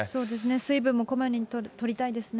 水分もこまめにとりたいですね。